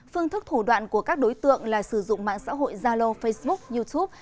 phương thức thủ đoạn của các đối tượng là sử dụng mạng xã hội zalo facebook youtube